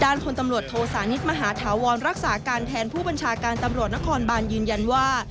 คนตำรวจโทสานิทมหาธาวรรักษาการแทนผู้บัญชาการตำรวจนครบานยืนยันว่า